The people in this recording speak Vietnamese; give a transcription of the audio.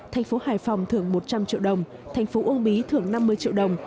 thành phố hải phòng thưởng một trăm linh triệu đồng thành phố uông bí thưởng năm mươi triệu đồng